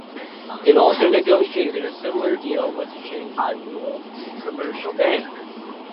It also negotiated a similar deal with Shanghai Rural Commercial Bank.